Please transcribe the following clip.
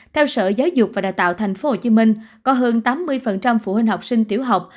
theo sở giáo dục và đào tạo tp hcm có hơn tám mươi phụ huynh học sinh tiểu học